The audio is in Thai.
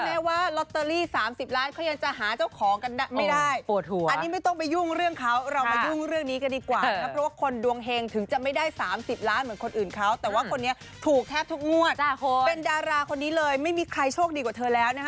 แม้ว่าลอตเตอรี่๓๐ล้านเขายังจะหาเจ้าของกันไม่ได้